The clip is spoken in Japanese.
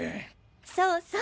そうそう！